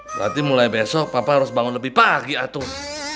berarti mulai besok papa harus bangun lebih pagi atur